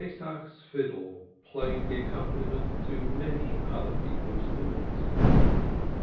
Pesach's fiddle played the accompaniment to many other people's thoughts.